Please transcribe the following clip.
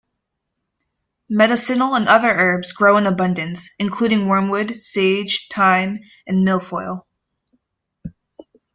Medicinal and other herbs grow in abundance, including wormwood, sage, thyme, and milfoil.